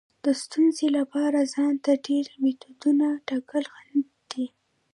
د ستونزې لپاره ځان ته ډیر میتودونه ټاکل خنډ دی.